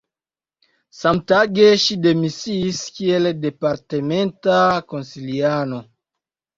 Samtage, ŝi demisiis kiel departementa konsiliano.